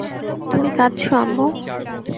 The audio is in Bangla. তুমি কাঁদছ, আম্মু?